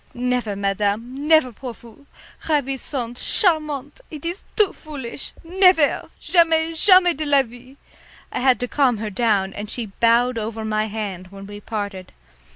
"Never, madame, never pour vous. Ravissant, charmant it is too foolish. Nevair! Jamais, jamais de la vie!" I had to calm her down, and she bowed over my hand when we parted.